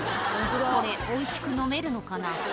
これおいしく飲めるのかな？